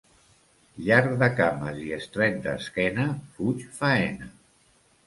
Llarg de cames i estret d'esquena: fuig faena.